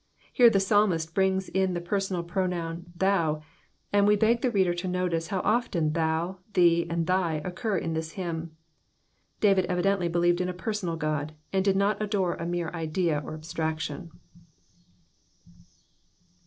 Here the psalmist brings in the personal pronoun iA<?u," and we beg the reader to notice how often thou," *'thee," and thy," occur in this hymn; David evidently believed in a personal God, and did not adore a mere idea or abstraction.